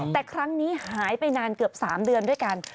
แต่ครั้งนี้หายไปนานเกือบ๓เดือนด้วยกัน